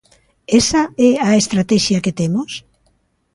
¿Esa é a estratexia que temos?